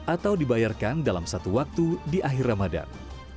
atau dibayarkan dalam satu waktu di akhir ramadan